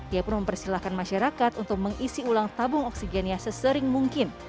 ia pun mempersilahkan masyarakat untuk mengisi ulang tabung oksigennya sesering mungkin